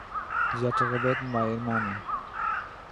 זי האָט זיך געבעטן ביי איר מאַמע'ן